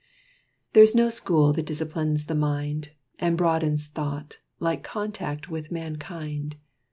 There is no school that disciplines the mind, And broadens thought, like contact with mankind.